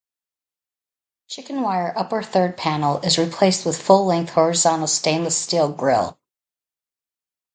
Chicken wire upper-third panel is replaced with full-length horizontal stainless steel grille.